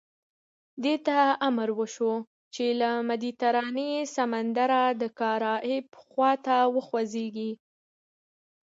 دې ته امر وشو چې له مدیترانې سمندره د کارائیب خوا ته وخوځېږي.